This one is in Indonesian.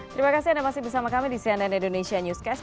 terima kasih anda masih bersama kami di cnn indonesia newscast